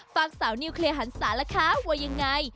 สาวนิวเคลียร์หันศาล่ะคะว่ายังไง